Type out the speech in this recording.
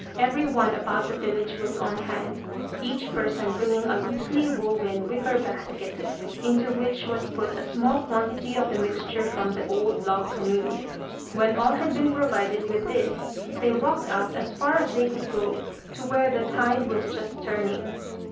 Every one about the village was on hand, each person bringing a loosely woven wicker basket, into which was put a small quantity of the mixture from the old log canoe. When all had been provided with this they walked out as far as they could go, to where the tide was just turning.